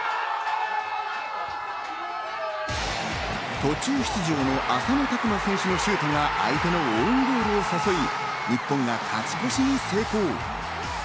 途中出場の浅野拓磨選手のシュートが相手のオウンゴールを誘い日本が勝ち越しに成功。